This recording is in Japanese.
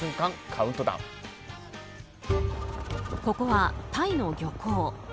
まずはここは、タイの漁港。